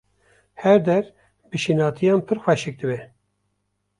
Her der bi şînatiyan pir xweşik dibe.